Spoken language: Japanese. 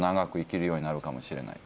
ようになるかもしれない。